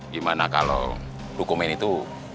gimana kalau dokumen itu